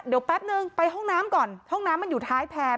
เดี๋ยวแป๊บนึงไปห้องน้ำก่อนห้องน้ำมันอยู่ท้ายแพร่